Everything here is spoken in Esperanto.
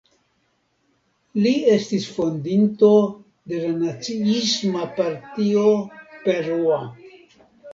Li estis fondinto de la Naciisma Partio Perua.